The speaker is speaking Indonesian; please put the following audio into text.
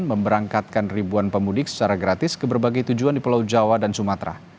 memberangkatkan ribuan pemudik secara gratis ke berbagai tujuan di pulau jawa dan sumatera